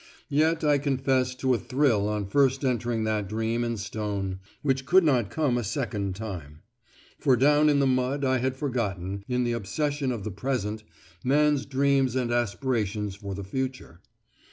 Yet I confess to a thrill on first entering that dream in stone, which could not come a second time. For down in the mud I had forgotten, in the obsession of the present, man's dreams and aspirations for the future.